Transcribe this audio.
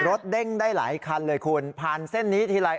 เด้งได้หลายคันเลยคุณผ่านเส้นนี้ทีไร